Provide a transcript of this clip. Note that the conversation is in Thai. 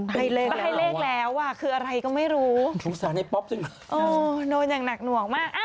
ให้เลขแล้วว่ะคืออะไรก็ไม่รู้โน้นอย่างหนักหนวกมากเอ้า